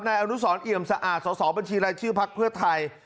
อนุสรเอี่ยมสะอาดสอบบัญชีรายชื่อพักเพื่อไทย